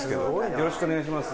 よろしくお願いします。